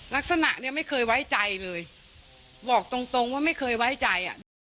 ลักษณะไม่เคยไว้ใจเลยบอกตรงว่าไม่เคยไว้ใจ